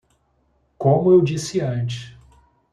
Como eu disse antes